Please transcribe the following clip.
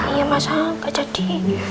iya mas al gak jadi